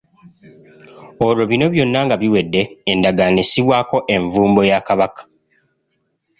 Olwo bino byonna nga biwedde, endagaano essibwako envumbo ya Kabaka.